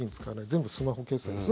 全部スマホ決済です。